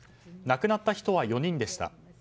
亡くなった人は４人でした。